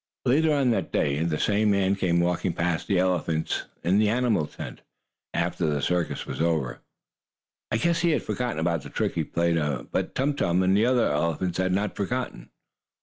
Later on that day, the same man came walking past the elephants in the animal tent, after the circus was over. I guess he had forgotten about the trick he played. But Tum Tum and the other elephants had not forgotten.